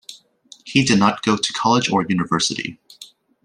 He did not go to college or university.